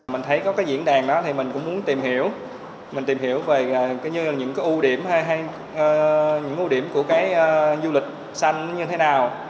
mình thấy có diễn đàn đó thì mình cũng muốn tìm hiểu về những ưu điểm của du lịch xanh như thế nào